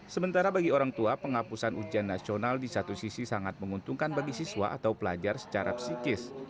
sementara bagi orang tua penghapusan ujian nasional di satu sisi sangat menguntungkan bagi siswa atau pelajar secara psikis